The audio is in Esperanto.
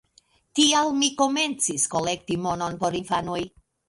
Tial mi komencis kolekti monon por infanoj.